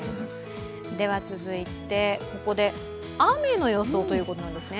では続いてここで雨の予想ということなんですね。